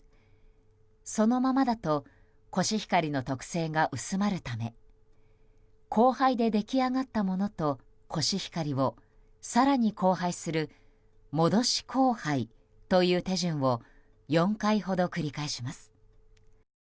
そのままだとコシヒカリの特性が薄まるため交配で出来上がったものとコシヒカリを更に交配する戻し交配という手順を４回ほど繰り返します。